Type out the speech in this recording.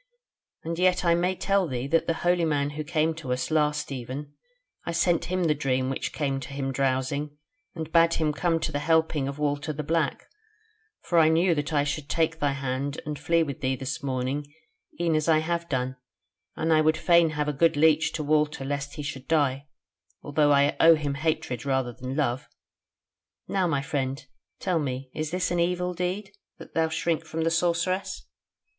And I may tell thee that the holy man who came to us last even, I sent him the dream which came to him drowsing, and bade him come to the helping of Walter the Black: for I knew that I should take thy hand and flee with thee this morning e'en as I have done: and I would fain have a good leech to Walter lest he should die, although I owe him hatred rather than love. Now, my friend, tell me, is this an evil deed, and dost thou shrink from the Sorceress?"